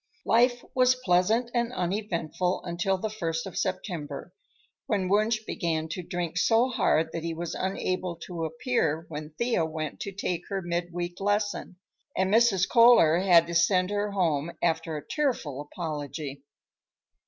Life was pleasant and uneventful until the first of September, when Wunsch began to drink so hard that he was unable to appear when Thea went to take her mid week lesson, and Mrs. Kohler had to send her home after a tearful apology.